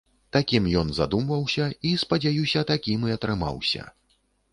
Такім ён задумваўся і, спадзяюся, такім і атрымаўся.